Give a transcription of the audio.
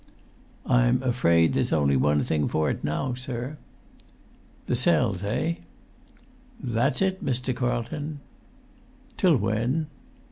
"I'm afraid there's only one thing for it now, sir." "The cells, eh?" "That's it, Mr. Carlton." "Till when?"